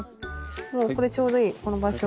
もうこれちょうどいいこの場所。